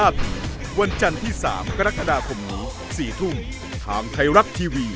สวัสดีครับ